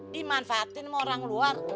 dimanfaatin sama orang luar